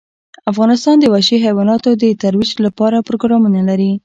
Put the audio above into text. افغانستان د وحشي حیواناتو د ترویج لپاره پروګرامونه لري.